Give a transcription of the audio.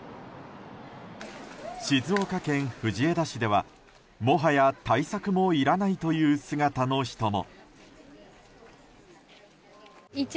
静岡県藤枝市では、もはや対策もいらないという姿の人も。